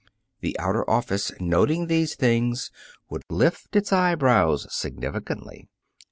The outer office, noting these things, would lift its eyebrows significantly.